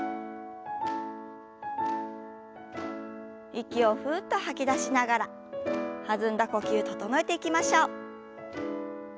息をふっと吐き出しながら弾んだ呼吸整えていきましょう。